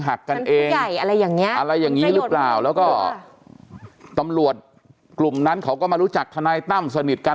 หักกันเองอะไรอย่างนี้หรือเปล่าแล้วก็ตำรวจกลุ่มนั้นเขาก็มารู้จักทนายตั้มสนิทกัน